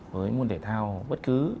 với môn thể thao bất cứ